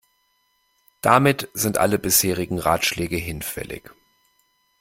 Damit sind alle bisherigen Ratschläge hinfällig.